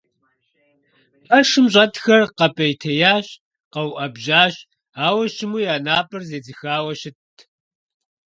Пэшым щӀэтхэр къэпӀейтеящ, къэуӀэбжьащ, ауэ щыму, я напӀэр едзыхауэ щытт.